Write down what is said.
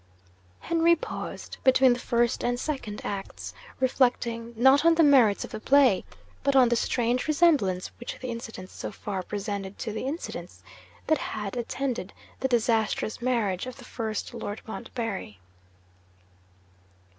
Henry paused between the First and Second Acts; reflecting, not on the merits of the play, but on the strange resemblance which the incidents so far presented to the incidents that had attended the disastrous marriage of the first Lord Montbarry.